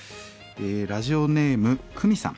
ラジオネームクミさん。